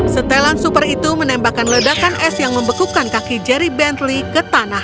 setelan super itu menembakkan ledakan es yang membekukan kaki jerry bentley ke tanah